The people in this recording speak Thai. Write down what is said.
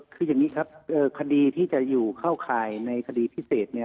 คืออย่างนี้ครับคดีที่จะอยู่เข้าข่ายในคดีพิเศษเนี่ย